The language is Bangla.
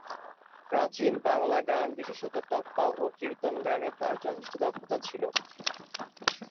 প্রাচীন বাংলা গান, বিশেষত টপ্পা ও কীর্তন গানে তার যথেষ্ট দক্ষতা ছিল।